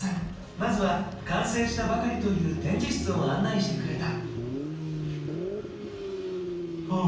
まずは完成したばかりという展示室を案内してくれた。